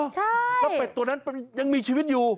ใช่แล้วเป็ดตัวนั้นยังมีชีวิตอยู่